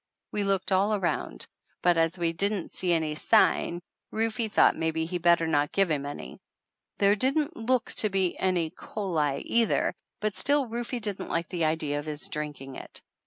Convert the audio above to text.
We looked all around, but as we didn't see any sign, Rufe thought maybe he'd better not give him any. There didn't look to be any "coli," either, but still Rufe didn't like the idea of his drinking it.